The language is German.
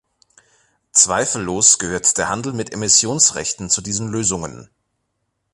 Zweifellos gehört der Handel mit Emissionsrechten zu diesen Lösungen.